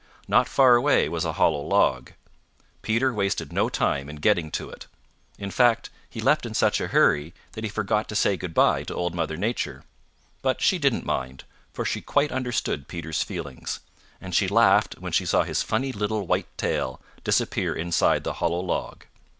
Not far away was a hollow log. Peter wasted no time in getting to it. In fact, he left in such a hurry that he forgot to say good by to Old Mother Nature. But she didn't mind, for she quite understood Peter's feelings, and she laughed when she saw his funny little white tail disappear inside the hollow log.